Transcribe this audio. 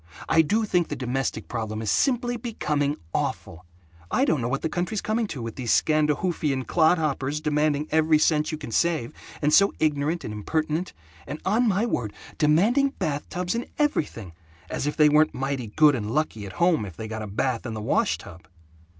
I do think the domestic problem is simply becoming awful. I don't know what the country's coming to, with these Scandahoofian clodhoppers demanding every cent you can save, and so ignorant and impertinent, and on my word, demanding bath tubs and everything as if they weren't mighty good and lucky at home if they got a bath in the wash tub."